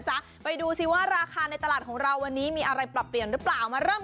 ไปดูสิว่าราคาในตลาดของเราวันนี้มีอะไรปรับเปลี่ยนหรือเปล่ามาเริ่ม